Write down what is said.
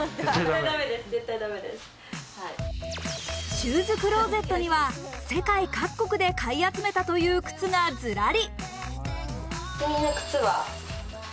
シューズクローゼットには世界各国で買い集めたという靴がずらり。